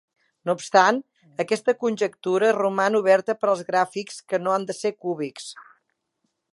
No obstant, aquesta conjectura roman oberta per als gràfics que no han de ser cúbics.